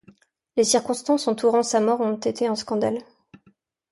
Les circonstances entourant sa mort ont été un scandale.